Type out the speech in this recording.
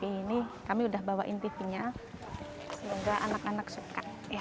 ini kami sudah bawa in tv nya semoga anak anak suka